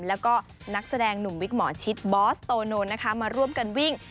แล้วก็นักแสดงหนุ่มวิกหมอชิดบอสโตโนนะคะมาร่วมกันวิ่ง